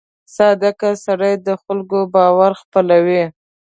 • صادق سړی د خلکو باور خپلوي.